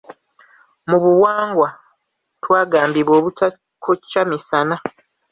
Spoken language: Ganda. Mu buwangwa twagambibwa obutakocca misana.